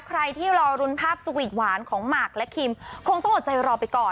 ใครที่รอรุนภาพสวีทหวานของหมากและคิมคงต้องอดใจรอไปก่อน